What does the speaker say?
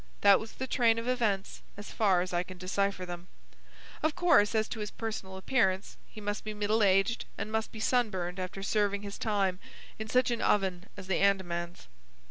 That was the train of events as far as I can decipher them. Of course as to his personal appearance he must be middle aged, and must be sunburned after serving his time in such an oven as the Andamans.